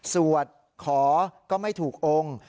สวดขอก็ไม่ถูกองค์